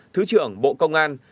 thứ trưởng bộ công an